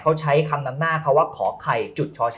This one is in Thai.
เขาใช้คำดำหน้าเขาว่าขอใครช